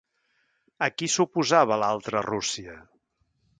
A qui s'oposava l'Altra Rússia?